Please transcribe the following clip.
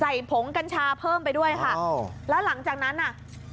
ผงกัญชาเพิ่มไปด้วยค่ะโอ้แล้วหลังจากนั้นน่ะ